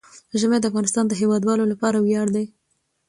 ژمی د افغانستان د هیوادوالو لپاره ویاړ دی.